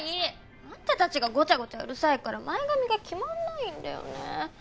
あんたたちがごちゃごちゃうるさいから前髪が決まんないんだよね。